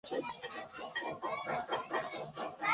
কারণ পানির বালতি হাতের কাছে রেখেই সে আগুন ধরিয়েছে।